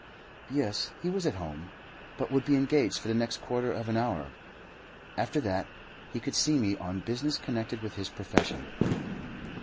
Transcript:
Yes, he was at home, but would be engaged for the next quarter of an hour; after that, he could see me on business connected with his profession.